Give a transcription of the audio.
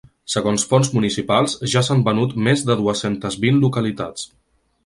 Segons fonts municipals, ja s’han venut més de dues-centes vint localitats.